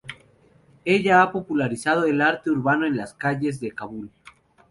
Ella ha popularizado el arte urbano en las calles de Kabul.